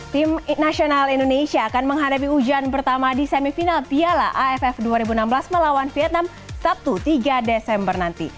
tim nasional indonesia akan menghadapi ujian pertama di semifinal piala aff dua ribu enam belas melawan vietnam sabtu tiga desember nanti